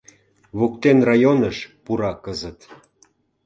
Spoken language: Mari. Воктен районыш пура кызыт.